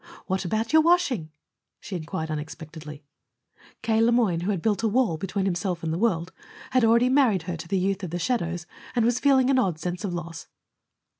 "What about your washing?" she inquired unexpectedly. K. Le Moyne, who had built a wall between himself and the world, had already married her to the youth of the shadows, and was feeling an odd sense of loss.